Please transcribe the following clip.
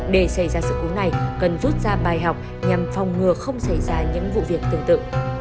để xảy ra sự cố này cần rút ra bài học nhằm phòng ngừa không xảy ra những vụ việc tương tự